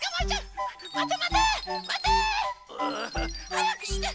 はやくして！